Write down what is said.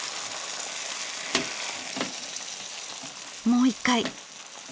もう一回。